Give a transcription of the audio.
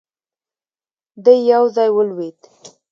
دی يو ځای ولوېد.